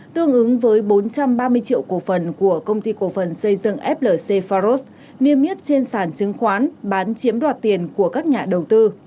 tương ứng với bốn trăm ba mươi triệu cổ phần của công ty cổ phần xây dựng flc faros niêm yết trên sản chứng khoán bán chiếm đoạt tiền của các nhà đầu tư